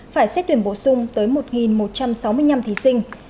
phải xét tuyển bổ sung tới một một trăm sáu mươi năm thí sinh